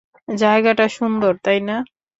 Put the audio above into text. জায়গাটা সুন্দর, তাই না?